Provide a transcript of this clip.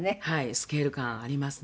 スケール感ありますね。